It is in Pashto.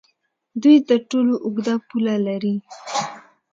دوی تر ټولو اوږده پوله لري.